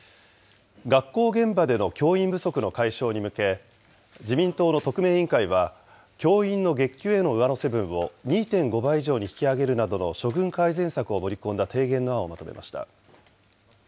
学校現場での教員不足の解消に向け、自民党の特命委員会は、教員の月給への上乗せ分を２．５倍以上に引き上げるなどの処遇改善策を盛り込んだ提言の案をまとめました。